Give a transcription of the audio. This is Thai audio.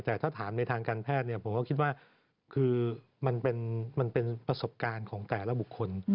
แต่ถ้าถามในทางการแพทย์ผมก็คิดว่าคือมันเป็นประสบการณ์ของแต่ละบุคคล